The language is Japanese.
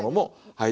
はい。